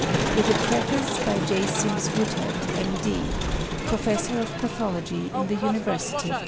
WITH A PREFACE BY G. SIMS WOODHEAD, M.D. PROFESSOR OF PATHOLOGY IN THE UNIVERSITY OF CAMBRIDGE.